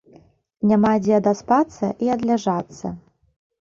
Няма дзе адаспацца і адляжацца.